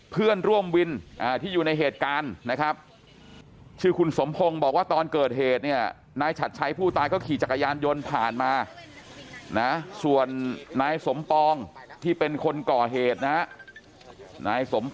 เพื่อนร่วมวินอ่าที่อยู่ในเหตุการณ์นะครับชื่อคุณสมพงศ์บอกว่าตอนเกิดเหตุเนี้ย